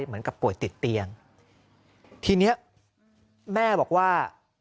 เหมือนกับป่วยติดเตียงทีเนี้ยแม่บอกว่า